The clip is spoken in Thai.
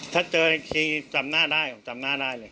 ถ้าเจออีกทีจำหน้าได้ผมจำหน้าได้เลย